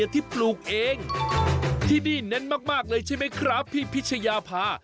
ที่ที่เน้นมากเลยใช่ไหมครับพี่พิชยาพา